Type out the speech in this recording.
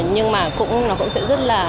nhưng mà cũng nó cũng sẽ rất là